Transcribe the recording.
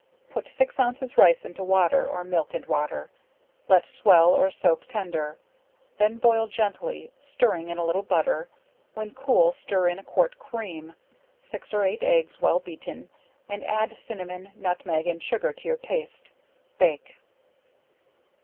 Put 6 ounces rice into water, or milk and water, let swell or soak tender, then boil gently, stirring in a little butter, when cool stir in a quart cream, 6 or 8 eggs well beaten, and add cinnamon nutmeg, and sugar to your taste, bake.